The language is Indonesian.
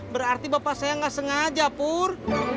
berarti bapak saya nggak sengaja pur